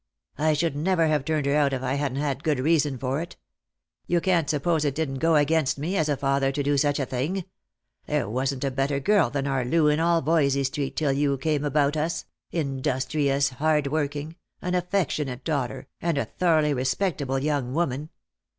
" I should never have turned her out if I hadn't had good reason for it. You can't suppose it didn't go against me, as a father, to do such a thing. There wasn't a better girl than our Loo in all Voysey street till you came about us — industrious, hard working, an affectionate daughter, and a thoroughly re spectable young woman.